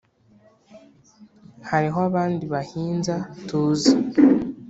hariho abandi bahinza tuzi